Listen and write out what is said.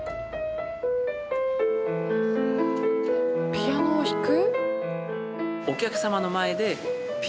ピアノを弾く？